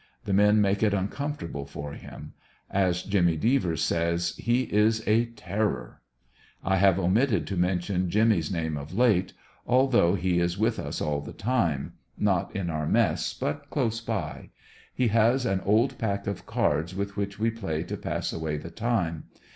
The men make it uncomfortable for him As Jimmy Devers says, *'He is a ter ror." I have omitted to mention Jimmy's name of late, although 50 ANDERSON VILLE DIAR F. he is with us all the time — not in our mess, but close by He has an old pack of cards with which we play to pass awa}^ the time.